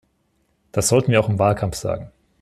Das sollten wir auch im Wahlkampf sagen.